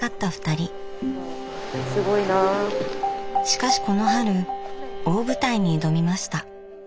しかしこの春大舞台に挑みました。